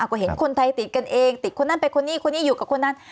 ก็เห็นคนไทยติดกันเองติดคนนั้นไปคนนี้คนนี้อยู่กับคนนั้น